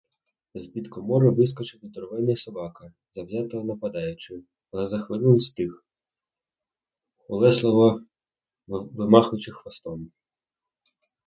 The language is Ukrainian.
З-під комори вискочив здоровенний собака, завзято нападаючи, — але за хвилину стих, улесливо вимахуючи хвостом.